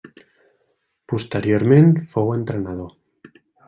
Posteriorment fou entrenador.